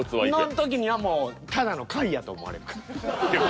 の時にはもうただの貝やと思われるから。